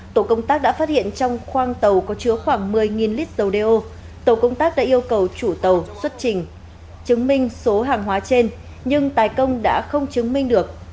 tổ công tác đã phát hiện trong khoang tàu có chứa khoảng một mươi lít dầu đeo tổ công tác đã yêu cầu chủ tàu xuất trình chứng minh số hàng hóa trên nhưng tài công đã không chứng minh được